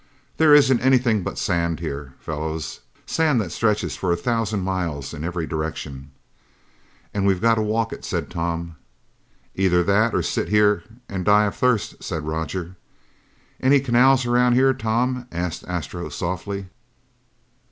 "There isn't anything but sand here, fellows, sand that stretches for a thousand miles in every direction." "And we've got to walk it," said Tom. "Either that or sit here and die of thirst," said Roger. "Any canals around here, Tom?" asked Astro softly.